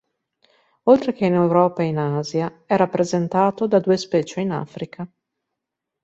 Oltre che in Europa e in Asia, è rappresentato da due specie in Africa.